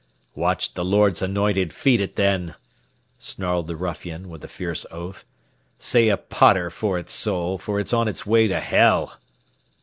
"Watch the Lord's anointed feed it then," snarled the ruffian, with a fierce oath. "Say a pater for its soul, for it's on its way to hell."